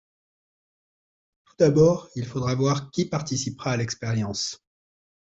Tout d’abord il faudra voir qui participera à l’expérience.